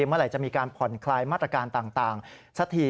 เมื่อไหร่จะมีการผ่อนคลายมาตรการต่างสักที